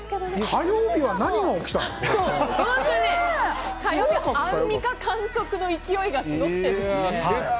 火曜日はアンミカ監督の勢いがすごくて。